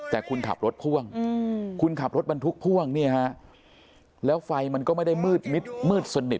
แต่คุณขับรถพ่วงคุณขับรถบรรทุกพ่วงเนี่ยฮะแล้วไฟมันก็ไม่ได้มืดมิดมืดสนิท